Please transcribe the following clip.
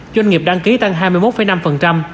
doanh nghiệp đăng ký tăng hai mươi một năm